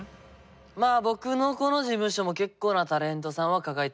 まあ僕のこの事務所も結構なタレントさんは抱えています。